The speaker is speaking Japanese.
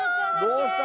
どうした？